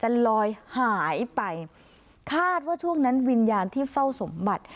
ลอยหายไปคาดว่าช่วงนั้นวิญญาณที่เฝ้าสมบัติ